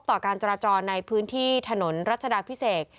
การจราจรในพื้นที่ถนนรัชดาพิเศษ